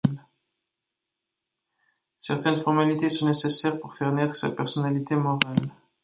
Certaines formalités sont nécessaires pour faire naître sa personnalité morale.